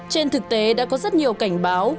trên thực tế đã có rất nhiều cảnh báo